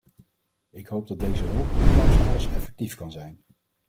Ik hoop dat deze hulp ondanks alles effectief kan zijn.